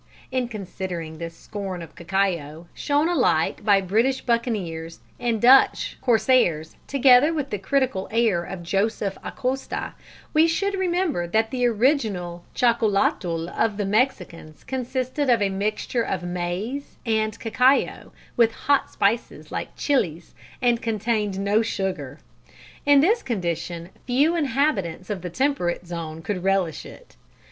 In considering this scorn of cacao, shown alike by British buccaneers and Dutch corsairs, together with the critical air of Joseph Acosta, we should remember that the original chocolatl of the Mexicans consisted of a mixture of maize and cacao with hot spices like chillies, and contained no sugar. In this condition few inhabitants of the temperate zone could relish it.